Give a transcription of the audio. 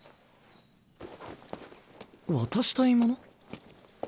渡したいもの？